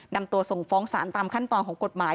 นำตัวส่งฟ้องสารตามขั้นตอนของกฎหมาย